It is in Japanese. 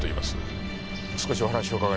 少しお話を伺えますか？